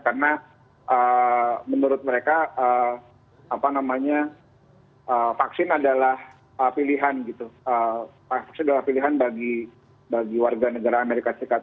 karena menurut mereka vaksin adalah pilihan bagi warga negara amerika serikat